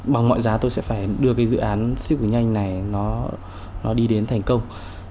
bằng mọi giá tôi sẽ phải đưa cái dự án sức mạnh nhanh này nó đi đến thành công